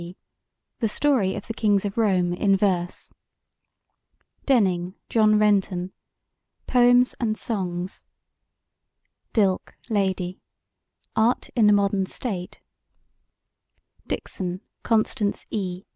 G.: The Story of the Kings of Rome in Verse DENNING, JOHN RENTON: Poems and Songs DILKE, LADY: Art in the Modern State DIXON, CONSTANCE E.